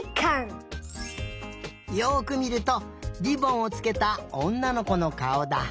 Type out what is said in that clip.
よくみるとりぼんをつけたおんなのこのかおだ。